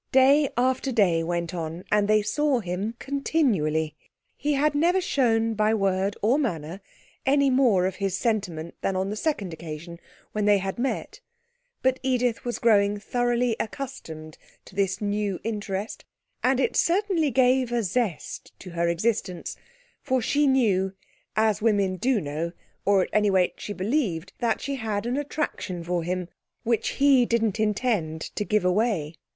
Day after day went on, and they saw him continually. He had never shown by word or manner any more of his sentiment than on the second occasion when they had met but Edith was growing thoroughly accustomed to this new interest, and it certainly gave a zest to her existence, for she knew, as women do know, or at any rate she believed, that she had an attraction for him, which he didn't intend to give away.